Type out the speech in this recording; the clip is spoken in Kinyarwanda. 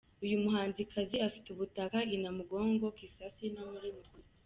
Uyu muhanzikazi afite ubutaka i Namugongo, Kisaasi, no muri Mukono.